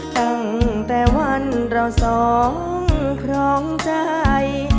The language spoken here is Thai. ตั้งแต่วันเราสองครองใจ